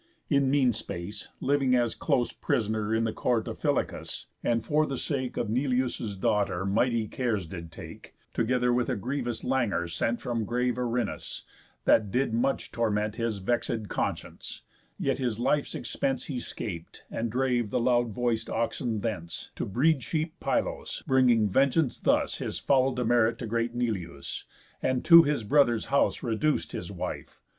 In mean space, living as close prisoner In court of Phylacus, and for the sake Of Neleus' daughter mighty cares did take, Together with a grievous languor sent From grave Erinnys, that did much torment His vexéd conscience; yet his life's expence He scap'd, and drave the loud voiced oxen thence, To breed sheep Pylos, bringing vengeance thus Her foul demerit to great Neleüs, And to his brother's house reduc'd his wife.